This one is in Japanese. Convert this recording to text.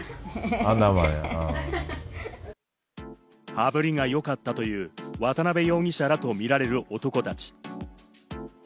羽振りがよかったという、渡辺容疑者らとみられる男たち。